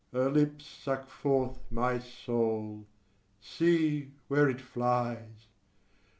] Her lips suck forth my soul: see, where it flies!